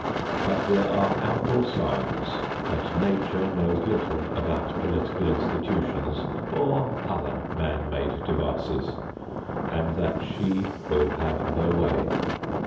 But there are ample signs that Nature knows little about political institutions or other man made devices and that she will have her way.